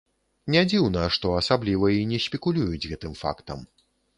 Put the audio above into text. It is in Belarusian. Не дзіўна, што асабліва і не спекулююць гэтым фактам.